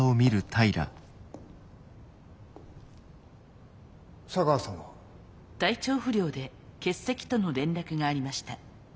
体調不良で欠席との連絡がありました。